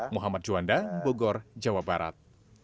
muhammad juanda bogor jawa barat